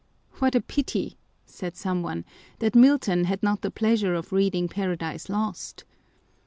" What a pity," said some one, " that Milton had not the pleasure of reading Paradise Lost